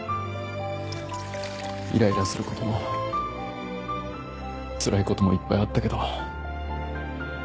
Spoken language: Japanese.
イライラする事もつらい事もいっぱいあったけど。